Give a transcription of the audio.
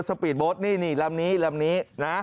สอบีทบ๊อตนี่นี่ล้ำนี้ล้ำนี้